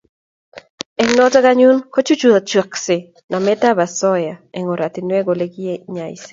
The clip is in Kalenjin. eng notok anyun ko chuchuakse namet a asoya eng' oratinwek ole kinyaise